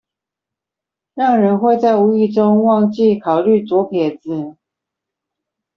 讓人會在無意中忘記考慮左撇子